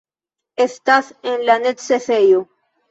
Estas en la necesejo!